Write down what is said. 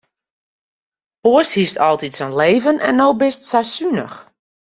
Oars hiest altyd sa'n leven en no bist sa sunich.